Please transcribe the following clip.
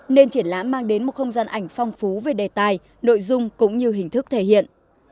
nên triển lãm mang đến một không gian ảnh phong phú về đề tài nội dung cũng như hình thức thể hiện